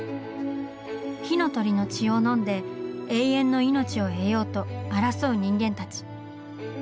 火の鳥の血を飲んで永遠の命を得ようと争う人間たち。